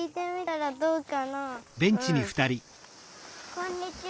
こんにちは。